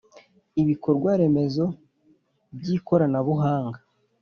ibikorwaremezo by ikoranabuhanga